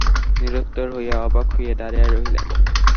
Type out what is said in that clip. নিরুত্তর হইয়া অবাক হইয়া দাঁড়াইয়া রহিলেন।